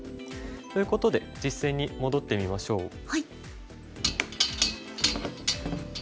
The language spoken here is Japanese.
ということで実戦に戻ってみましょう。